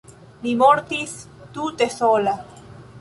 Li mortis tute sola.